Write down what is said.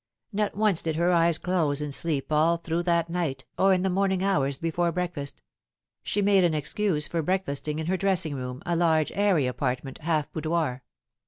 Not once did her eyes close in sleep all through that night, or in the morning hours before breakfast. She made an excuse for breakfasting in her dressing room, a large, airy apartment, half boudoir.